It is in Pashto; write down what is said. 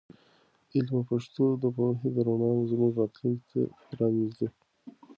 علم په پښتو د پوهې د رڼا زموږ راتلونکي ته پرانیزي.